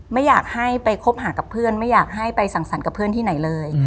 ไม่อยากให้ไปคบหากับเพื่อนไม่อยากให้ไปสั่งสรรค์กับเพื่อนที่ไหนเลย